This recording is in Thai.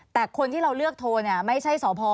แต่คนที่เราเลือกโทรไม่ใช่สพ